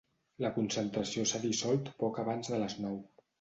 La concentració s’ha dissolt poc abans de les nou.